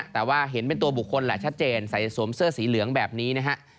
แต่เห็นเป็นตัวบุคคลแสตร์เจนใส่สวมเสื้อสีเหลืองแบบนี้นะครับ